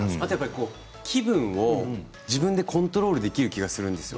気分を自分でコントロールできる気がすると思うんですよ。